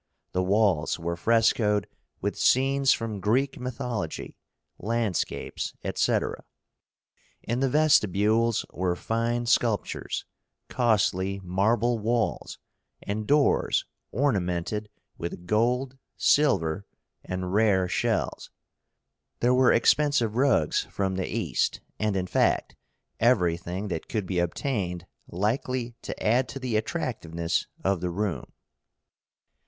The walls were frescoed with scenes from Greek mythology, landscapes, etc. In the vestibules were fine sculptures, costly marble walls, and doors ornamented with gold, silver, and rare shells. There were expensive rugs from the East, and, in fact, everything that could be obtained likely to add to the attractiveness of the room.